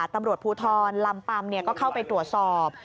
ตำรวจภูทรลำปัมก็เข้าไปตรวจสอบ